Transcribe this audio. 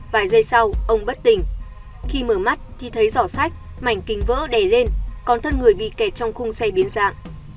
vài giây sau ông bất tình khi mở mắt thì thấy giỏ sách mảnh kính vỡ đè lên còn thân người bị kẹt trong khung xe biến dạng